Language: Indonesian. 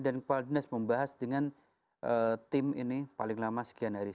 dan kepala dinas membahas dengan tim ini paling lama sekian hari